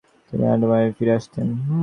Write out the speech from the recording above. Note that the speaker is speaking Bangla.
তিনি এডিনবরাতে ফিরে আসতেন।